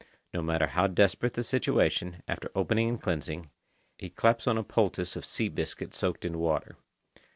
No matter how desperate the situation, after opening and cleansing, he claps on a poultice of sea biscuit soaked in water.